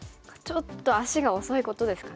ちょっと足が遅いことですかね。